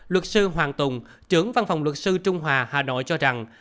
luật sư hoàng tùng trưởng văn phòng luật sư trung hòa hà nội cho rằng